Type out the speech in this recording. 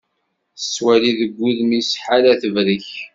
Tettwali deg wudem-is ḥala tebrek.